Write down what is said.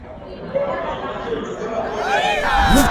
Leo ni siku yetu tufike kwenye uwanja